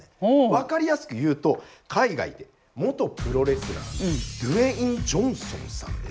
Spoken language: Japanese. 分かりやすくいうと海外で元プロレスラーのドウェイン・ジョンソンさんですね。